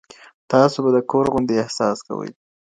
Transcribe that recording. تاسو به د کور غوندې احساس کوئ.